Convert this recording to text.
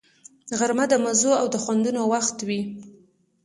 غرمه د مزو او خوندونو وخت وي